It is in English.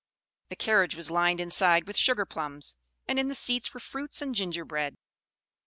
The carriage was lined inside with sugar plums, and in the seats were fruits and gingerbread.